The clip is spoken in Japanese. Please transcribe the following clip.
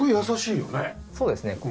そうですね。